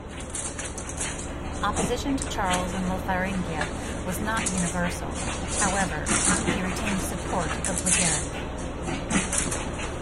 Opposition to Charles in Lotharingia was not universal, however; he retained support of Wigeric.